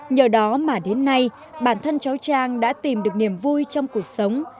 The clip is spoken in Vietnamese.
nhờ đó mà đến nay bản thân cháu trang đã tìm được niềm vui trong cuộc sống